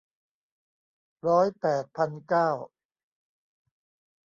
ร้อยแปดพันเก้า